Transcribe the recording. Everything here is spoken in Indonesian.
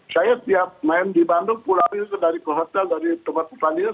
saya tiap main di bandung pulau itu dari kohoknya dari tempat pertandingan